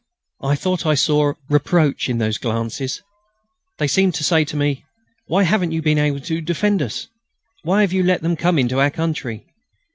I thought I saw a reproach in those glances: they seemed to say to me: "Why haven't you been able to defend us? Why have you let them come into our country?